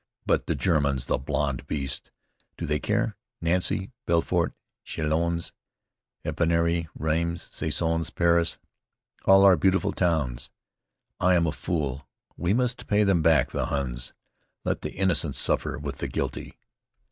"But the Germans, the blond beasts! Do they care? Nancy, Belfort, Châlons, Epernay, Rheims, Soissons, Paris, all our beautiful towns! I am a fool! We must pay them back, the Huns! Let the innocent suffer with the guilty!"